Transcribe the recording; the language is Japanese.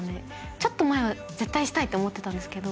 ちょっと前は絶対したいって思ってたんですけど